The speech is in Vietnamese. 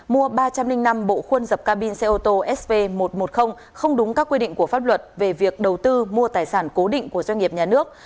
mua ba trăm linh năm bộ khuôn dập ca bin xe ô tô sv một trăm một mươi không đúng các quy định của pháp luật về việc đầu tư mua tài sản cố định của doanh nghiệp nhà nước